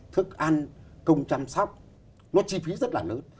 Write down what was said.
thức ăn công chăm sóc nó chi phí rất là lớn